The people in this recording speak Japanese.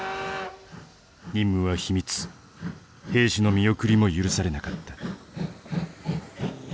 任務は秘密兵士の見送りも許されなかった。